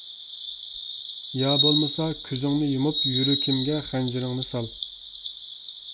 يا بولمىسا كۆزۈڭنى يۇمۇپ، يۈرىكىمگە خەنجىرىڭنى سال.